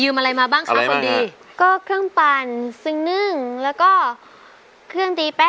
โอ้โฮ๒ปี